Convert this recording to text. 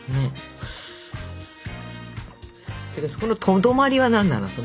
そのとどまりは何なの？